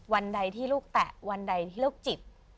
วันใดที่ลูกแตะวันใดที่ลูกจิก